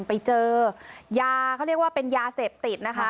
ไปเจอยาเขาเรียกว่าเป็นยาเสพติดนะคะ